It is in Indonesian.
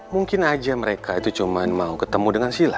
mungkin aja mereka itu cuma mau ketemu dengan sila